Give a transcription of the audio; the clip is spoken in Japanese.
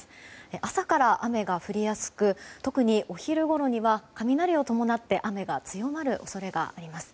朝から雨が降りやすく特にお昼ごろには雷を伴って雨が強まる恐れがあります。